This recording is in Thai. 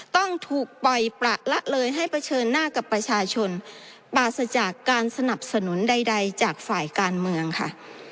ต้องถูกปล่อยประละเลยให้เผชิญหน้ากับประชาชนปราศจากการสนับสนุนใดจากฝ่ายการเมืองค่ะ